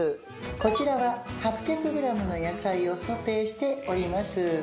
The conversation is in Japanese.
こちらは８００ｇの野菜をソテーしております。